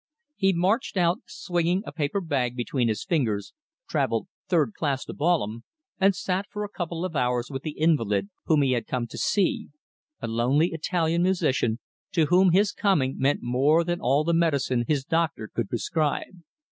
He marched out, swinging a paper bag between his fingers, travelled third class to Balham, and sat for a couple of hours with the invalid whom he had come to see, a lonely Italian musician, to whom his coming meant more than all the medicine his doctor could prescribe.